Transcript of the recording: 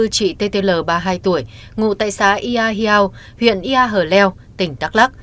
chị ttl ba mươi hai tuổi ngụ tại xã ia hiao huyện ia hở leo tỉnh đắk lắk